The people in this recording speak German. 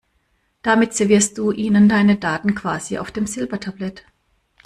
Damit servierst du ihnen deine Daten quasi auf dem Silbertablett.